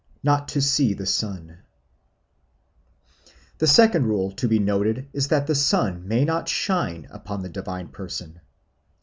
Not to see the Sun THE SECOND rule to be here noted is that the sun may not shine upon the divine person.